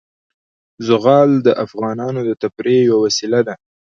زغال د افغانانو د تفریح یوه وسیله ده.